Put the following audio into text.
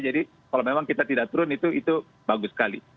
jadi kalau memang kita tidak turun itu itu bagus sekali